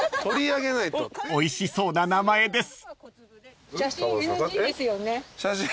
［おいしそうな名前です］